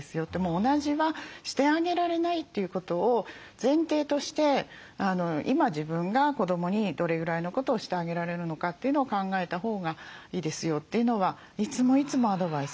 同じはしてあげられないということを前提として今自分が子どもにどれぐらいのことをしてあげられるのかというのを考えたほうがいいですよというのはいつもいつもアドバイスしています。